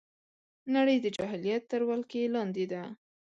نړۍ د جاهلیت تر ولکې لاندې ده